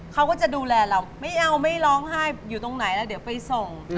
เขาก็จะดูแลเราไม่เอาไม่ร้องไห้อยู่ตรงไหนแล้วเดี๋ยวไปส่ง